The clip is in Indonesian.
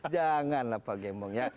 janganlah pak gembong ya